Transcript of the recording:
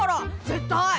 絶対！